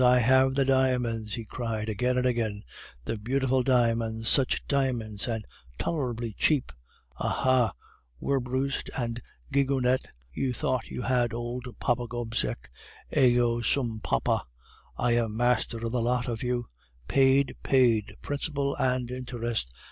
I have the diamonds!' he cried again and again, 'the beautiful diamonds! such diamonds! and tolerably cheaply. Aha! aha! Werbrust and Gigonnet, you thought you had old Papa Gobseck! Ego sum papa! I am master of the lot of you! Paid! paid, principal and interest!